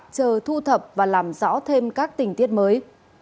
chờ thu thập và làm rõ thêm các tình tiết mới